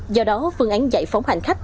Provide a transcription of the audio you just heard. do đó phương án giải phóng hành khách